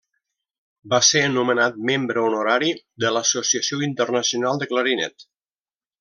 Va ser nomenat membre honorari de l'Associació Internacional de Clarinet.